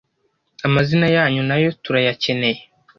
Amazina yanyu nayo turayakeneye